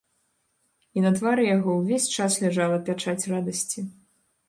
І на твары яго ўвесь час ляжала пячаць радасці.